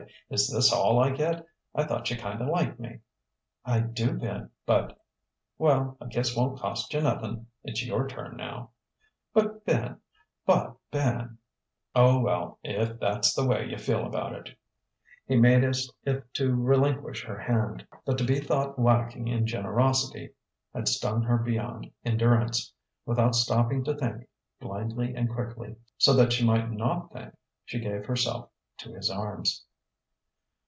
is this all I get? I thought you kinda liked me...." "I do, Ben, but " "Well, a kiss won't cost you nothin'. It's your turn now." "But, Ben but, Ben " "Oh, well, if that's the way you feel about it " He made as if to relinquish her hand. But to be thought lacking in generosity had stung her beyond endurance. Without stopping to think blindly and quickly, so that she might not think she gave herself to his arms.